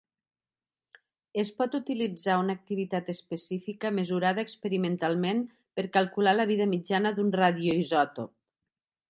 Es pot utilitzar una activitat específica mesurada experimentalment per calcular la vida mitjana d'un radioisòtop.